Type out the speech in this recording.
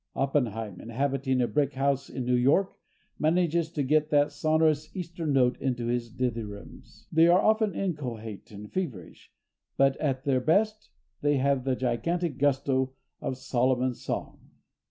Oppenheim, inhabiting a brick house in New York, manages to get that sonorous Eastern note into his dithyrambs. They are often inchoate and feverish, but at their best they have the gigantic gusto of Solomon's Song.